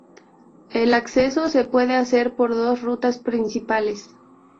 El acceso se puede hacer por dos rutas principales.